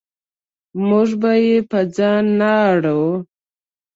موږ به یې په ځان نه اړوو.